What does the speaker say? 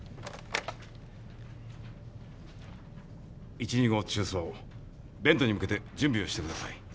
１・２号中操ベントに向けて準備をしてください。